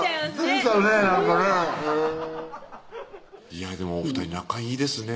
いやでもお２人仲いいですね